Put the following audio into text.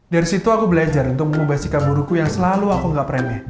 dari situ aku belajar untuk mengubah sikap buruku yang selalu aku gak remeh